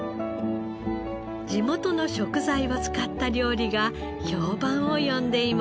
地元の食材を使った料理が評判を呼んでいます。